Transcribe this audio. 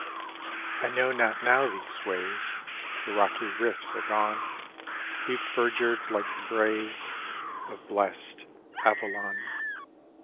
I know not now these ways; The rocky rifts are gone, Deep verdured like the braes Of blest Avilion.